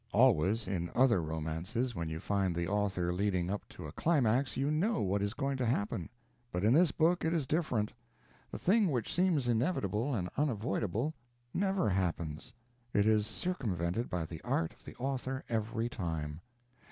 Always, in other romances, when you find the author leading up to a climax, you know what is going to happen. But in this book it is different; the thing which seems inevitable and unavoidable never happens; it is circumvented by the art of the author every time.